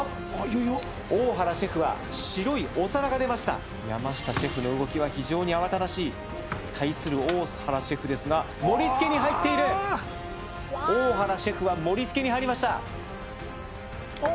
いよいよ大原シェフは白いお皿が出ました山下シェフの動きは非常に慌ただしい対する大原シェフですが盛りつけに入っている大原シェフは盛りつけに入りましたあ